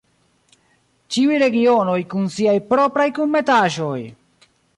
Ĉiuj regionoj kun siaj propraj kunmetaĵoj!